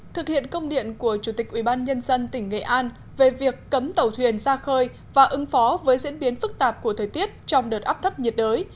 thực hiện công điện của chủ tịch ubnd tỉnh nghệ an về việc cấm tàu thuyền ra khơi và ứng phó với diễn biến phức tạp của thời tiết trong đợt áp thấp nhiệt đới